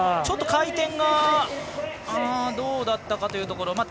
ちょっと回転がどうだったかというところ。